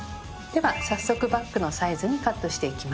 では早速バッグのサイズにカットしていきます。